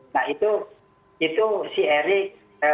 nah itu si erick